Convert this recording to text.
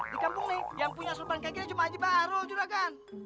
di kampung nih yang punya sorban kayak gini cuma haji bahrol juragan